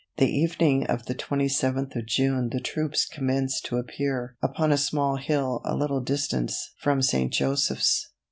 The evening of the 27th of June the troops commenced to appear upon a small hill a little distance from St. Joseph's.